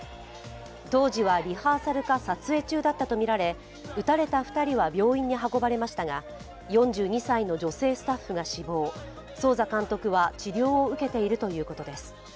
当時はリハーサルか撮影中だったとみられ撃たれた２人は病院に運ばれましたが４２歳の女性スタッフが死亡、ソウザ監督は治療を受けているということです。